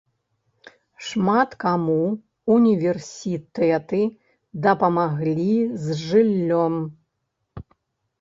Шмат каму універсітэты дапамагалі з жыллём.